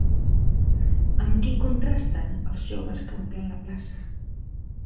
Amb qui contrasten els joves que omplen la plaça?